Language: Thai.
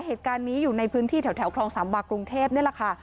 เหตุการณ์นี้อยู่ในพื้นที่แถวคลองสามวากรุงเทพนี่แหละค่ะ